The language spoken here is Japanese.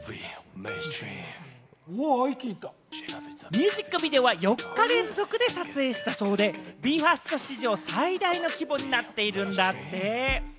ミュージックビデオは４日連続で撮影したそうで、ＢＥ：ＦＩＲＳＴ史上、最大の規模になっているんだって。